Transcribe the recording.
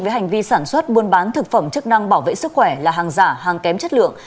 với hành vi sản xuất buôn bán thực phẩm chức năng bảo vệ sức khỏe là hàng giả hàng kém chất lượng